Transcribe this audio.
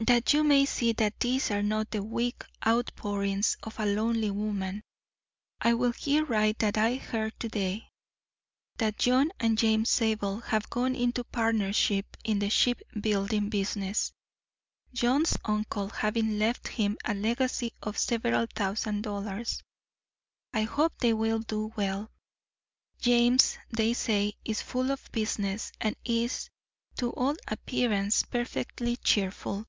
That you may see that these are not the weak outpourings of a lonely woman, I will here write that I heard to day that John and James Zabel have gone into partnership in the ship building business, John's uncle having left him a legacy of several thousand dollars. I hope they will do well. James, they say, is full of business and is, to all appearance, perfectly cheerful.